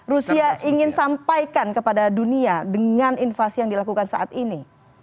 rusia ingin sampaikan kepada dunia dengan invasi yang dilakukan saat ini